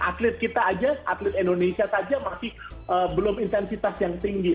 atlet kita aja atlet indonesia saja masih belum intensitas yang tinggi